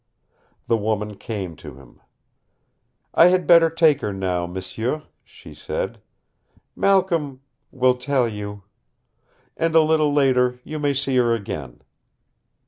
The woman came to him. "I had better take her now, m'sieu," she said. "Malcolm will tell you. And a little later, you may see her again."